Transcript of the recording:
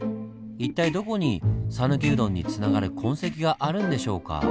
一体どこにさぬきうどんにつながる痕跡があるんでしょうか。